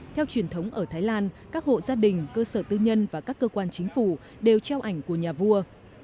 theo truyền thống ở thái lan các hộ gia đình cơ sở tư nhân và các cơ quan chính phủ đều treo ảnh của nhà vua